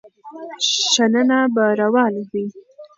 شننه به روانه وي.